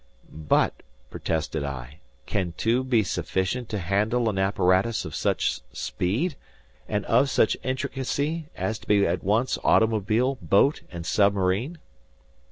"But," protested I, "can two be sufficient to handle an apparatus of such speed, and of such intricacy, as to be at once automobile, boat and submarine?"